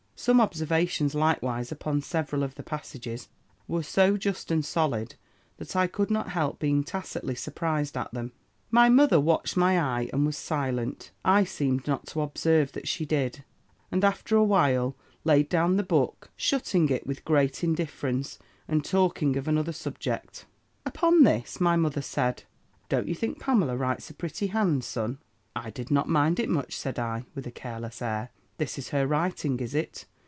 Some observations likewise upon several of the passages were so just and solid, that I could not help being tacitly surprised at them. "My mother watched my eye, and was silent: I seemed not to observe that she did; and after a while, laid down the book, shutting it with great indifference, and talking of another subject. "Upon this, my mother said, 'Don't you think Pamela writes a pretty hand, son?' "'I did not mind it much,' said I, with a careless air. 'This is her writing, is it?'